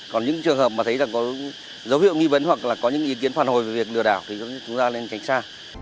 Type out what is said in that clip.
còn những trường hợp mà thấy là có dấu hiệu nghi vấn hoặc là có những ý kiến phản hồi về việc lừa đảo thì cũng như chúng ta lên tránh xa